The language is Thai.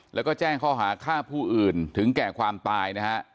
แล้วก็แจ้งข้อหาฆ่าผู้อื่นถึงแก่ความตายนะฮะ